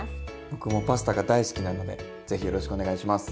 僕もパスタが大好きなのでぜひよろしくお願いします。